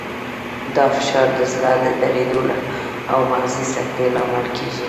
دا فشار د زړه د دریدو او مغزي سکتې لامل کېږي.